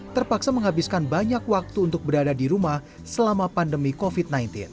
terpaksa menghabiskan banyak waktu untuk berada di rumah selama pandemi covid sembilan belas